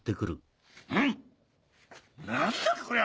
何だこりゃ